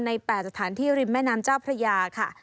๘สถานที่ริมแม่น้ำเจ้าพระยาค่ะ